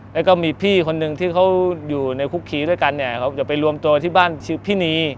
แล้วก็มีพี่คนหนึ่งที่เขาอยู่ในคุกคีด้วยกันเนี่ยเขาจะไปรวมตัวที่บ้านชื่อพี่นี